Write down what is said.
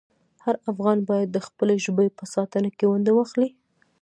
هر افغان باید د خپلې ژبې په ساتنه کې ونډه واخلي.